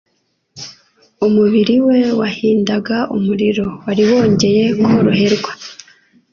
Umubiri we wahindaga umuriro wari wongeye koroherwa